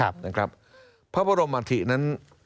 พระบรมอธินั้น